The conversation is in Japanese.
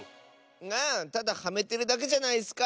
あただはめてるだけじゃないッスか！